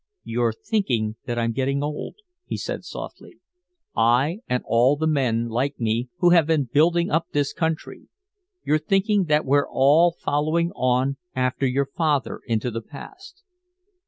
"You're thinking that I'm getting old," he said softly. "I and all the men like me who have been building up this country. You're thinking that we're all following on after your father into the past."